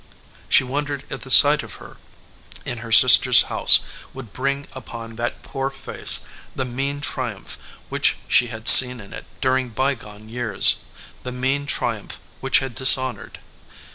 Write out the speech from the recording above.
She wondered if the sight of her in her sister s house would bring upon that poor face the mean triumph which she had seen in it during by gone years, the mean triumph which had dishon ored.